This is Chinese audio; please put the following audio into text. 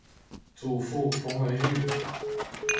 祖父冯文玉。